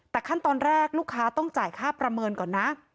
แต่ขั้นตอนแรกลูกค้าต้องจ่ายค่าประเมินก่อนนะ